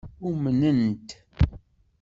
Umnen-t.